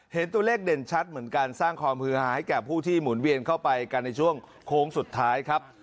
เห็นตัวเลขเด่นชัดเหมือนกันสร้างความฮือหาให้แก่ผู้ที่หมุนเวียนเข้าไปกันในช่วงโค้งสุดท้ายครับ